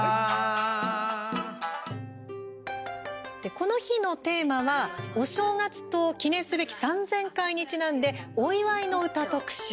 この日のテーマは、お正月と記念すべき３０００回にちなんでお祝いの唄特集。